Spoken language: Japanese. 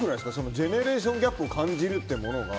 ジェネレーションギャップを感じるっていうものが。